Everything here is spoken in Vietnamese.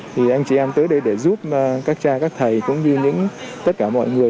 thì anh chị em tới đây để giúp các cha các thầy cũng như tất cả mọi người